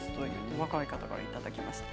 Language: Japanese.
若い方からいただきました。